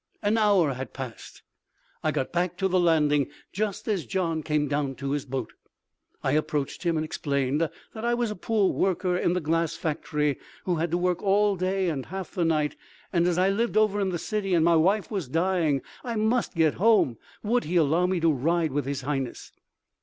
An hour had passed. I got back to the landing just as Gian came down to his boat. I approached him and explained that I was a poor worker in the glass factory, who had to work all day and half the night, and as I lived over in the city and my wife was dying, I must get home. Would he allow me to ride with His Highness?